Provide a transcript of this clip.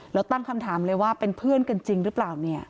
แล้วตั้งคำถามเลยว่าเป็นเพื่อนกันจริงหรือเปล่าเนี่ย